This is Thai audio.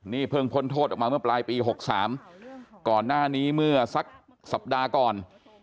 นี่เพิ่งพ้นโทษออกมาเมื่อปลายปี๖๓ก่อนหน้านี้เมื่อสักสัปดาห์ก่อน